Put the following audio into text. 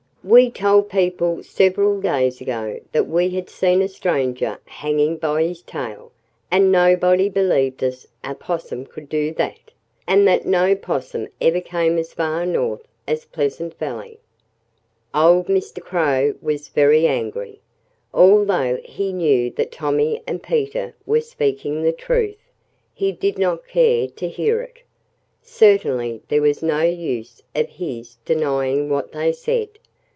"We told people several days ago that we had seen a stranger hanging by his tail; and nobody believed us because you said it wasn't possible. You said nobody but a 'possum could do that, and that no 'possum ever came as far north as Pleasant Valley." Old Mr. Crow was very angry. Although he knew that Tommy and Peter were speaking the truth, he did not care to hear it. Certainly there was no use of his denying what they said.